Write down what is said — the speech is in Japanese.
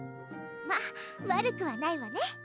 まぁ悪くはないわね